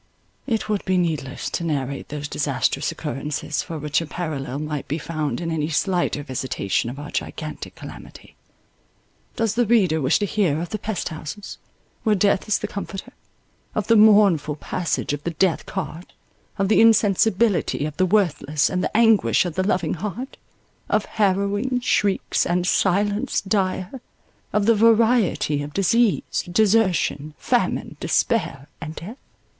It would be needless to narrate those disastrous occurrences, for which a parallel might be found in any slighter visitation of our gigantic calamity. Does the reader wish to hear of the pest houses, where death is the comforter—of the mournful passage of the death cart—of the insensibility of the worthless, and the anguish of the loving heart—of harrowing shrieks and silence dire—of the variety of disease, desertion, famine, despair, and death?